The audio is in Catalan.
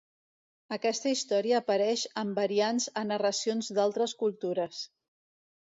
Aquesta història apareix amb variants a narracions d'altres cultures.